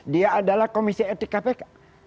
dia adalah komisi etik kpk